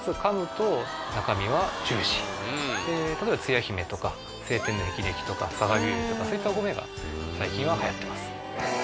例えばつや姫とか晴天の霹靂とかさがびよりとかそういったお米が最近ははやってます。